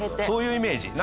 そういうイメージ。